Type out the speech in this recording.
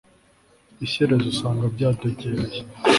ishyerezo usanga byadogereye